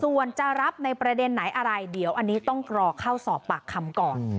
ส่วนจะรับในประเด็นไหนอะไรเดี๋ยวอันนี้ต้องรอเข้าสอบปากคำก่อน